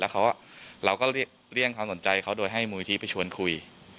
แล้วเราก็เลี่ยงความสนใจเขาโดยให้มูลที่ไปชวนคุย